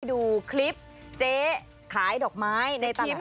ดูคลิปเจ๊ขายดอกไม้